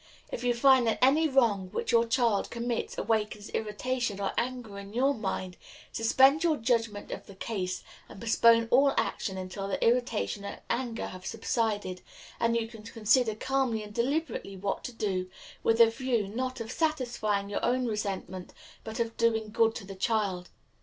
If you find that any wrong which your child commits awakens irritation or anger in your mind, suspend your judgment of the case and postpone all action until the irritation and anger have subsided, and you can consider calmly and deliberately what to do, with a view, not of satisfying your own resentment, but of doing good to the child.